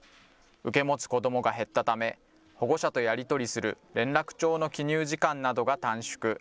受け持つ子どもが減ったため、保護者とやり取りする連絡帳の記入時間などが短縮。